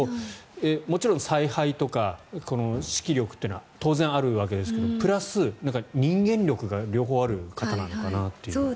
もちろん采配とか指揮力というのは当然あるわけですがプラス、人間力が両方ある方なのかなと。